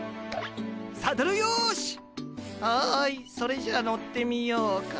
はいそれじゃあ乗ってみようか。